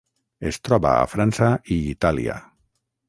Es troba a França i Itàlia.